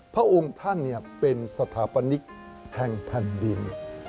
พระองค์ท่านเป็นสถาปนิกแห่งแผ่นดิน